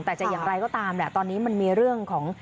แต่จะอย่างไรก็ตามแหละตอนนี้มันมีเรื่องของ